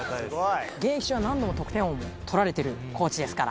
現役中は何度も得点王も取られてるコーチですから。